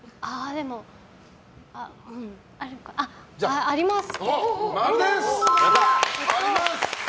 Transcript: ○です！あります！